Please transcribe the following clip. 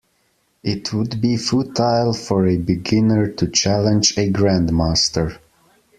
It would be futile for a beginner to challenge a grandmaster.